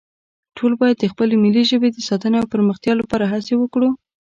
ټول باید د خپلې ملي ژبې د ساتنې او پرمختیا لپاره هڅې وکړو